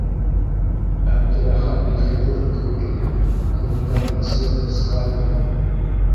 Әптеләхәт бит хирург кеүек ине: ҡулында - пинцет, скальпель.